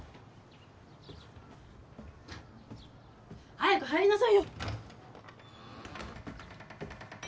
早く入りなさいよ。